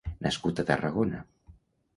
Nascut a Tarragona.